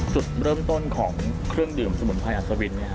จุดเริ่มต้นของเครื่องดื่มสมุนไรอัศวิน